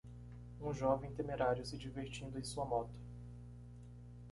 Um jovem temerário se divertindo em sua moto.